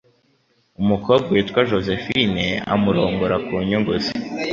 umukobwa witwa Josephine amurongora ku nyungu ze